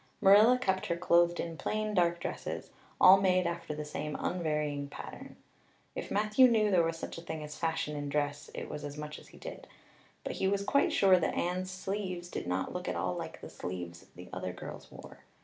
Marilla kept her clothed in plain, dark dresses, all made after the same unvarying pattern. If Matthew knew there was such a thing as fashion in dress it was as much as he did; but he was quite sure that Anne's sleeves did not look at all like the sleeves the other girls wore.